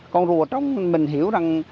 con rùa trong mình hiểu rằng